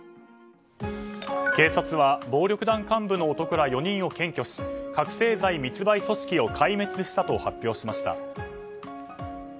警察は暴力団幹部の男ら４人を検挙し覚醒剤密売組織を壊滅したと発表しました。